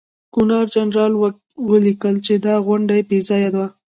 ګورنرجنرال ولیکل چې دا غونډه بې ځایه وه.